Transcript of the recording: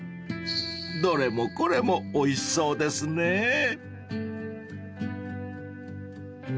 ［どれもこれもおいしそうですねぇ］